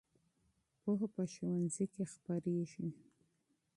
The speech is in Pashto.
پوهه په ښوونځي کې خپرېږي.